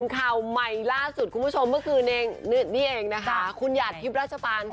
ข่าวใหม่ล่าสุดคุณผู้ชมก็คืนนี้เองคุณยาดฮิปราชบังข้อ